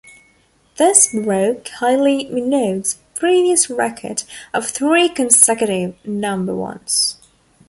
This broke Kylie Minogue's previous record of three consecutive number ones.